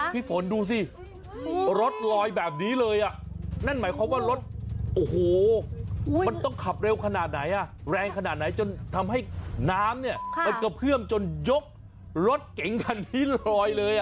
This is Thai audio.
พี่ฝนดูสิรถลอยแบบนี้เลยอ่ะนั่นหมายความว่ารถโอ้โหมันต้องขับเร็วขนาดไหนแรงขนาดไหนจนทำให้น้ำเนี่ยมันกระเพื่อมจนยกรถเก๋งคันนี้ลอยเลย